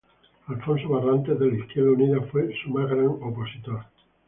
Alfonso Barrantes de la Izquierda Unida fue su más grande opositor.